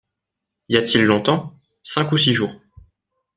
Y a-t-il longtemps ? Cinq ou six jours.